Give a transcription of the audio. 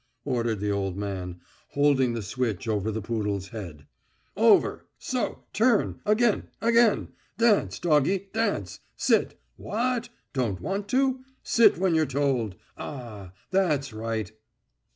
ordered the old man, holding the switch over the poodle's head. "Over. So. Turn ... again ... again.... Dance, doggie, dance! Sit! Wha at? Don't want to? Sit when you're told! A a.... That's right!